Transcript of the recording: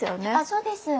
そうです。